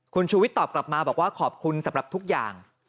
คุณชูวิทย์ตอบกลับมาบอกว่าขอบคุณสำหรับทุกอย่าง